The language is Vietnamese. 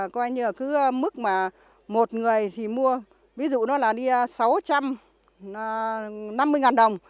coi như là cứ mức mà một người thì mua ví dụ nó là đi sáu trăm năm mươi đồng